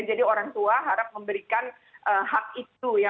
jadi orang tua harap memberikan hak itu ya